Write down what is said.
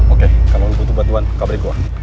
oke kalo lo butuh bantuan kabri gue